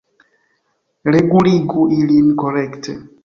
Reguligu ilin korekte!